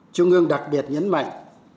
trung ương đặc biệt nhấn mạnh